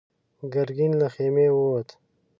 ګرګين له خيمې ووت.